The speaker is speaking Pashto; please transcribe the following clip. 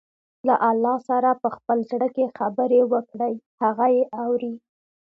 له الله سره په خپل زړه کې خبرې وکړئ، هغه يې اوري.